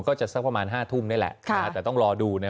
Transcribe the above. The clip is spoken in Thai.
ก็จะสักประมาณห้าทุ่มนี่แหละแต่ต้องรอดู